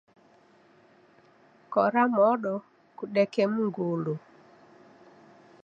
Kora modo kudeke mngulu.